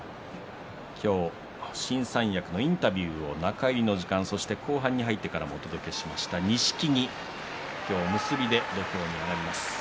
今日、新三役のインタビューを中入りの時間そして、後半に入ってからもお届けしました、錦木今日、結びで土俵に上がります。